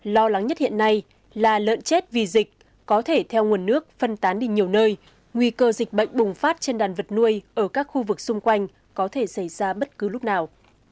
lo lắng nhất hiện nay là lợn chết vì dịch có thể theo nguồn nước phân tán đi nhiều nơi nguy cơ dịch bệnh bùng phát trên đàn vật nuôi ở các khu vực xung quanh có thể xảy ra bất cứ lúc nào